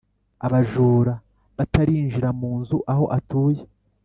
abajura batarinjira mu nzu aho atuye